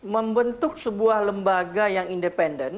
membentuk sebuah lembaga yang independen